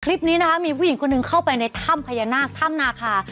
คลิปนี้นะคะมีผู้หญิงคนหนึ่งเข้าไปในถ้ำพญานาคถ้ำนาคา